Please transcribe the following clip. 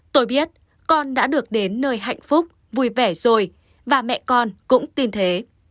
tôi biết con đã được đến nơi hạnh phúc vui vẻ rồi và mẹ con cũng tin thế